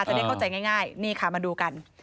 จะได้เข้าใจง่ายนี่ค่ะมาดูกัน